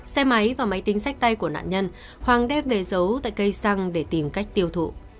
xe máy và máy tính sách tay của nạn nhân hoàng đem về giấu tại cây xăng để tìm cách tiêu thụ